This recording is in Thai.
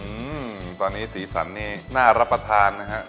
อืมตอนนี้สีสันนี่น่ารับประทานนะฮะ